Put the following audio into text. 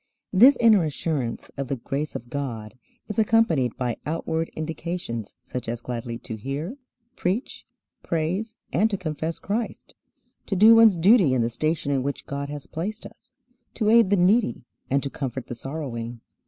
This inner assurance of the grace of God is accompanied by outward indications such as gladly to hear, preach, praise, and to confess Christ, to do one's duty in the station in which God has placed us, to aid the needy, and to comfort the sorrowing.